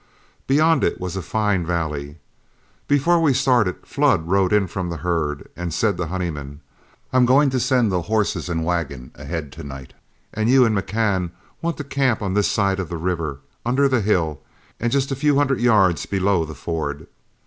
Beyond it was a fine valley. Before we started, Flood rode in from the herd, and said to Honeyman, "I'm going to send the horses and wagon ahead to night, and you and McCann want to camp on this side of the river, under the hill and just a few hundred yards below the ford.